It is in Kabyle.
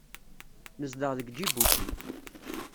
Nezdeɣ deg Ǧibuti.